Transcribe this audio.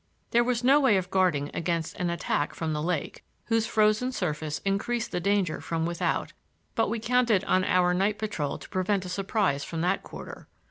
There was no way of guarding against an attack from the lake, whose frozen surface increased the danger from without; but we counted on our night patrol to prevent a surprise from that quarter.